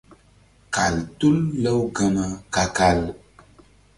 Kal tul Lawgama ka-kal.